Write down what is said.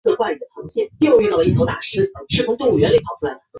拉瓦勒是加拿大的一个城市。